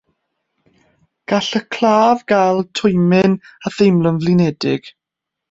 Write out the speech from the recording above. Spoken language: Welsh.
Gall y claf gael twymyn a theimlo'n flinedig.